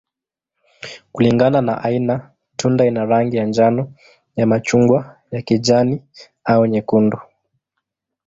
Kulingana na aina, tunda ina rangi ya njano, ya machungwa, ya kijani, au nyekundu.